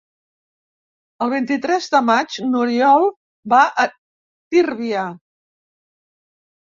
El vint-i-tres de maig n'Oriol va a Tírvia.